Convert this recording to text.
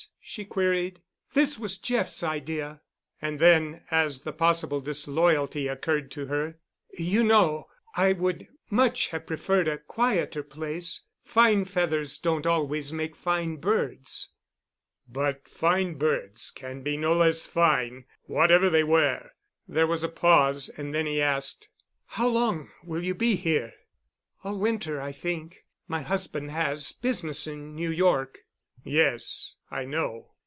she queried. "This was Jeff's idea." And then, as the possible disloyalty occurred to her, "You know I would much have preferred a quieter place. Fine feathers don't always make fine birds." "But fine birds can be no less fine whatever they wear." There was a pause, and then he asked: "How long will you be here?" "All winter, I think. My husband has business in New York." "Yes, I know.